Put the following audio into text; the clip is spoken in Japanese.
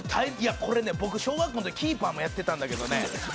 「いやこれね僕小学校の時キーパーもやってたんだけどね